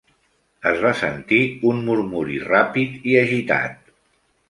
Es va sentir un murmuri ràpid i agitat.